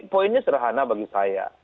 poinnya serahana bagi saya